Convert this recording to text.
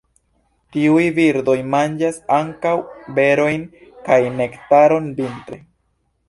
Tiuj birdoj manĝas ankaŭ berojn kaj nektaron vintre.